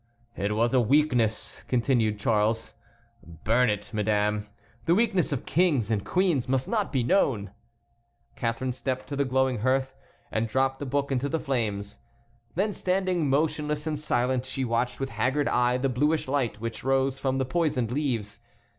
"It was a weakness," continued Charles; "burn it, madame. The weakness of kings and queens must not be known!" Catharine stepped to the glowing hearth, and dropped the book into the flames. Then, standing motionless and silent, she watched with haggard eye the bluish light which rose from the poisoned leaves.